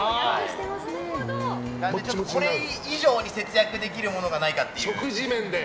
なので、これ以上に節約できるものがないかと。